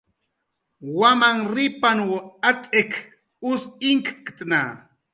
Wamanrripanw atz'ik us inktna